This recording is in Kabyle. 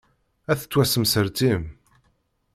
Ad tettwassemsertim.